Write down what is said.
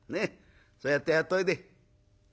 そうやってやっといで」。